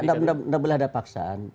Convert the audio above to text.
tidak boleh ada paksaan